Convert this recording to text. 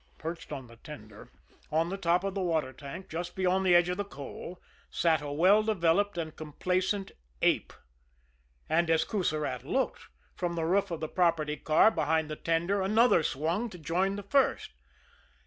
Perched on the tender, on the top of the water tank, just beyond the edge of the coal, sat a well developed and complacent ape and, as Coussirat looked, from the roof of the property car, behind the tender, another swung to join the first.